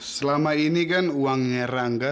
selama ini kan uangnya rangga